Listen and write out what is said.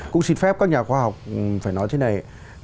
cũng xin phép các nhà khoa học phải nói thế này